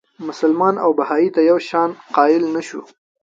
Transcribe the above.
مسلمان او بهايي ته یو شان شأن قایل نه شو.